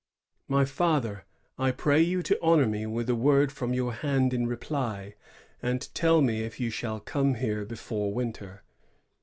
My Father, I pray you to honor me with a word from your hand in reply, and tell me if you shall come here before winter.